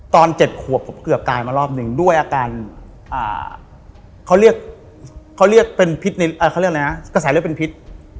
ตอนเจ็บขวบผมเกือบตายมารอบหนึ่งด้วยอาการเขาเรียกเป็นพิษกระแสเลือกเป็นพิษ